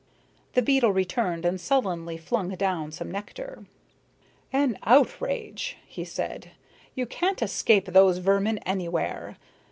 The beetle returned and sullenly flung down some nectar. "An outrage," he said. "You can't escape those vermin anywhere.